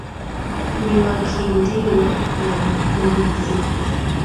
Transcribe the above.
ni wa Kiindio na kumi na sita